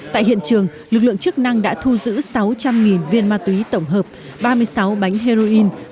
tại hiện trường lực lượng chức năng đã thu giữ sáu trăm linh viên ma túy tổng hợp ba mươi sáu bánh heroin